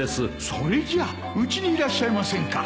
それじゃあうちにいらっしゃいませんか？